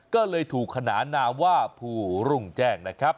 ก็เลยถูกขนานนามว่าภูรุ่งแจ้งนะครับ